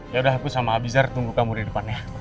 yaudah aku sama abizar tunggu kamu di depannya